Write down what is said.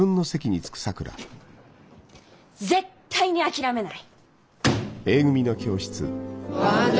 絶対に諦めない！